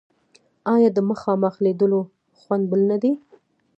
آیا د مخامخ لیدلو خوند بل نه دی؟